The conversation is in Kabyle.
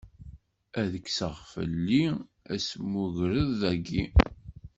Ad kkseɣ fell-i asmugred-agi.